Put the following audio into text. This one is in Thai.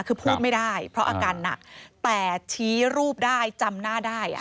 คือพูดไม่ได้เพราะอาการหนักแต่ชี้รูปได้จำหน้าได้